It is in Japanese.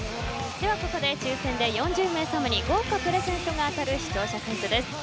ここで抽選で４０名様に豪華プレゼントが当たる視聴者クイズです。